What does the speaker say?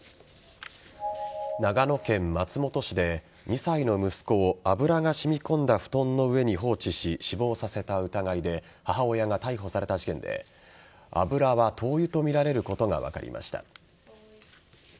長野県松本市で２歳の息子を油が染み込んだ布団の上に放置し死亡させた疑いで母親が逮捕された事件で油は灯油とみられることが分かりました。